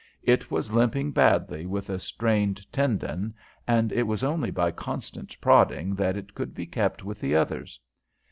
It was limping badly with a strained tendon, and it was only by constant prodding that it could be kept with the others.